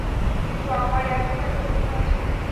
কিন্তু আমার এখনও একটা প্রশ্ন আছে!